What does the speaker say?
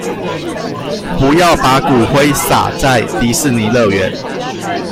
不要把骨灰灑在迪士尼樂園